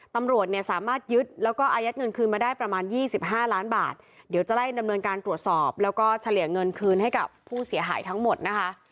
ตำรวจเนี่ยสามารถยึดแล้วก็อายัดเงินคืนมาได้ประมาณ๒๕ล้านบาทเดี๋ยวจะไล่ดำเนินการตรวจสอบแล้วก็เฉลี่ยเงินคืนให้กับผู้เสียหายทั้งหมดนะคะ